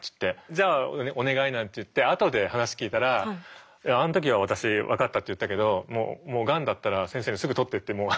「じゃあお願い」なんて言って後で話聞いたら「あの時は私分かったって言ったけどもうがんだったら先生にすぐ取って」ってもう。